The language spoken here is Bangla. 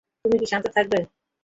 তুমি কী শান্ত থাকবে?